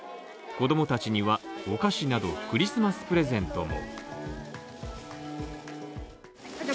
子供達にはお菓子などクリスマスプレゼントも。